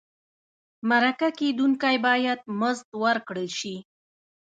مرکه کېدونکی باید مزد ورکړل شي.